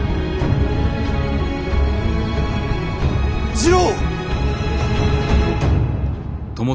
次郎！